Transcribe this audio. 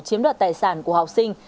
chiếm đoạt tài sản của học sinh